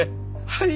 はい！